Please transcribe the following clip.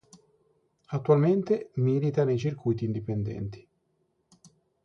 Attualmente milita nei circuiti indipendenti.